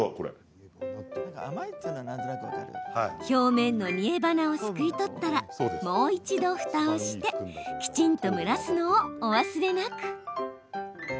表面の煮えばなをすくい取ったらもう一度ふたをしてきちんと蒸らすのをお忘れなく。